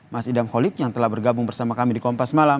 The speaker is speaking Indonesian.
mas idam holik yang telah bergabung bersama kami di kompas malam